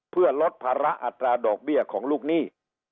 เพื่อลดภาระอัตราดอกเบี้ยของลูกหนี้